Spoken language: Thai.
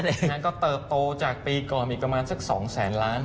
อย่างนั้นก็เติบโตจากปีก่อนอีกประมาณสัก๒แสนล้าน